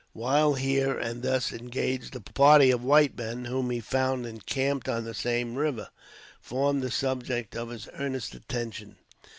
While here and thus engaged, a party of white men, whom he found encamped on the same river, formed the subject of his earnest attention.